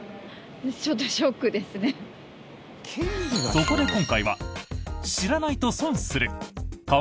そこで、今回は。